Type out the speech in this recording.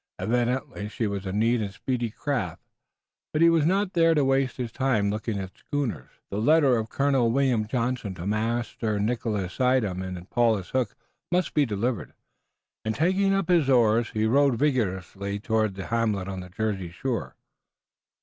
Evidently she was a neat and speedy craft, but he was not there to waste his time looking at schooners. The letter of Colonel William Johnson to Master Nicholas Suydam in Paulus Hook must be delivered, and, taking up his oars, he rowed vigorously toward the hamlet on the Jersey shore.